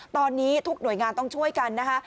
ตอนนี้ทุกหน่วยงานต้องช่วยกันนะคะ